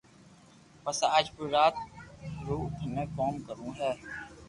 پسي آج پوري رات رو ٿني ڪوم ڪرو ھي